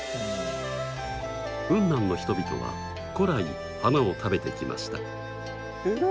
雲南の人々は古来花を食べてきました。